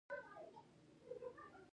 د هغه په مغرورو سترګو کې عاجزی لیدل کیده